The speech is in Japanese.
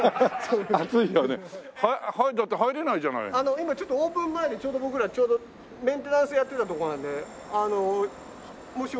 今ちょっとオープン前でちょうど僕らメンテナンスやってたとこなんでもしよかったら。